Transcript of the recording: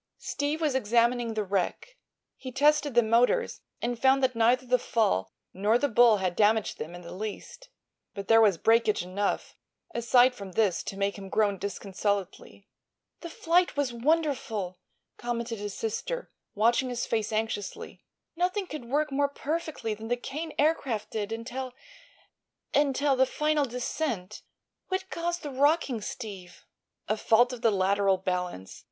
Steve was examining the wreck. He tested the motors and found that neither the fall nor the bull had damaged them in the least. But there was breakage enough, aside from this, to make him groan disconsolately. "The flight was wonderful," commented his sister, watching his face anxiously. "Nothing could work more perfectly than the Kane Aircraft did until—until—the final descent. What caused the rocking, Steve?" "A fault of the lateral balance.